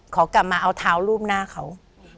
ขอกลับมาเอาเท้ารูปหน้าเขา